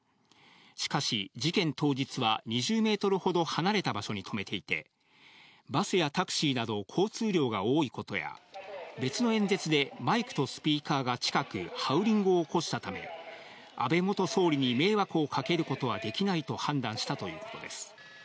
しかし、事件当日は２０メートルほど離れた場所に止めていて、バスやタクシーなど交通量が多いことや、別の演説でマイクとスピーカーが近く、ハウリングを起こしたため、安倍元総理に迷惑をかけることはできないと判断したということです。